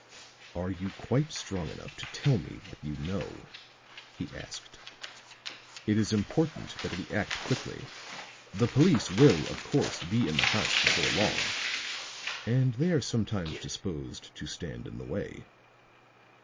"Are you quite strong enough to tell me what you know?" he asked. "It is important that we act quickly; the police will, of course, be in the house before long, and they are sometimes disposed to stand in the way."